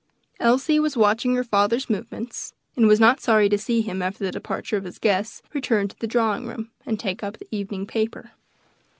Elsie was watching her fathers movements, and was not sorry to see him, after the departure of his guests, return to the drawing room, and take up the evening paper.